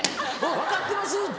分かってます？